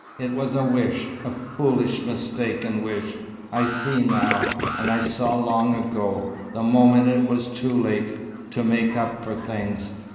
It was a wish a foolish, mistaken wish, I see now and I saw long ago, the moment it was too late to make up for things.